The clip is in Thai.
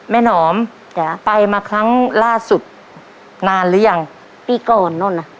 หนอมจ้ะไปมาครั้งล่าสุดนานหรือยังปีก่อนโน่นน่ะ